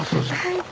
はい。